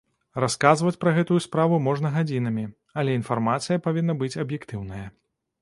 Расказваць пра гэтую справу можна гадзінамі, але інфармацыя павінна быць аб'ектыўная.